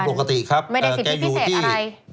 ปกติครับไม่ได้สิทธิพิเศษอะไร